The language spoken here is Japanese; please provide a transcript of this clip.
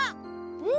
うん！